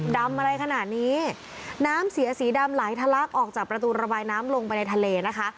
ดำอะไรขนาดนี้น้ำเสียสีดำไหลทะลักออกจากประตูระบายน้ำลงไปในทะเลนะคะ